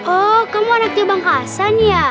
oh kamu anaknya bang hasan ya